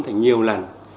thành nhiều lần